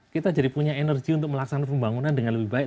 kita jadi punya energi untuk melaksanakan pembangunan dengan lebih baik